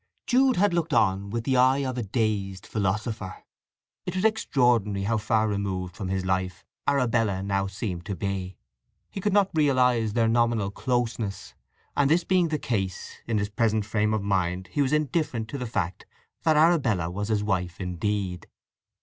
Jude had looked on with the eye of a dazed philosopher. It was extraordinary how far removed from his life Arabella now seemed to be. He could not realize their nominal closeness. And, this being the case, in his present frame of mind he was indifferent to the fact that Arabella was his wife indeed.